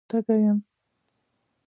_تږی يم.